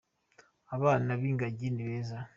Abana b'ingagi ni beza.